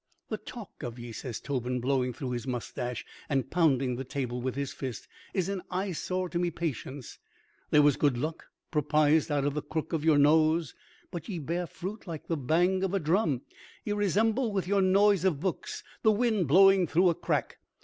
"The talk of ye," says Tobin, blowing through his moustache and pounding the table with his fist, "is an eyesore to me patience. There was good luck promised out of the crook of your nose, but ye bear fruit like the bang of a drum. Ye resemble, with your noise of books, the wind blowing through a crack.